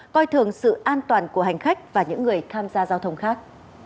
coi thường sự an toàn của hành khách và những người tham gia giao thông khác